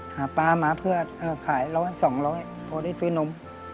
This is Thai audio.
หาปลาหมาเพื่อขาย๒๐๐เพราะได้ซื้อนม